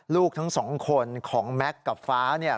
ลูกทั้งสองคนของแม็กซ์กับฟ้าเนี่ย